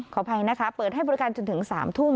ขออภัยนะคะเปิดให้บริการจนถึง๓ทุ่ม